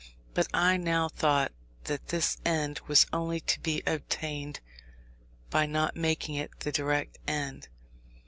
But I now thought that this end was only to be attained by not making it the direct end.